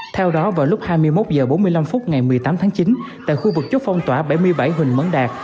theo đó vào lúc hai mươi một h bốn mươi năm phút ngày một mươi tám tháng chín tại khu vực chốt phong tỏa bảy mươi bảy huỳnh mẫn đạt